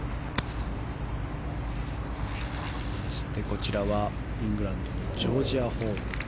こちらはイングランドジョージア・ホール。